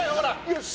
よし！